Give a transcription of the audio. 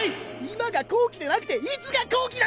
今が好機でなくていつが好機なんだ！